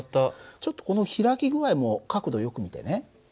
ちょっとこの開き具合も角度よく見てね。